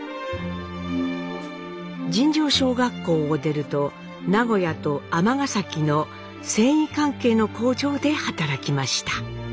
尋常小学校を出ると名古屋と尼崎の繊維関係の工場で働きました。